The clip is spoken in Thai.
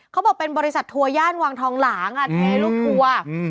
เค้าบอกเป็นบริษัททัวย่านวางทองหลางอ่ะในลูกทัวร์